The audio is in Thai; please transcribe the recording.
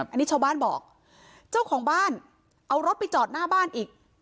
อันนี้ชาวบ้านบอกเจ้าของบ้านเอารถไปจอดหน้าบ้านอีก